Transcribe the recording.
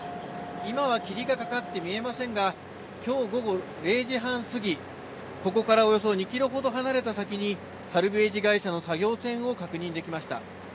今は霧がかかって見えませんが、きょう午後０時半過ぎ、ここからおよそ２キロほど離れた先に、サルベージ会社の作業船を確認できました。